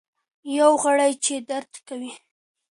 یو غړی چي درد کوي.